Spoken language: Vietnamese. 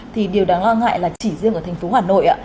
thì điều đáng lo ngại là chỉ riêng ở thành phố hà nội